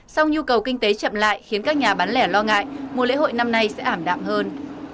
sau nhu cầu kinh tế chậm lại khiến các nhà bán lẻ lo ngại mùa lễ hội năm nay sẽ ảm đạm hơn